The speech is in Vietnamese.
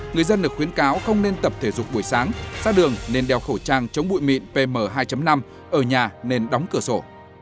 người dân được khuyến cáo không nên tập thể dục buổi sáng ra đường nên đeo khẩu trang chống bụi mịn pm hai năm ở nhà nên đóng cửa sổ